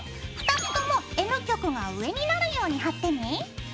２つともＮ極が上になるように貼ってね。